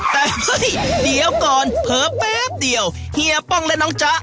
แต่เฮ้ยเดี๋ยวก่อนเผลอแป๊บเดียวเฮียป้องและน้องจ๊ะ